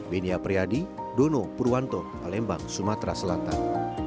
binia priadi dono purwanto alembang sumatera selatan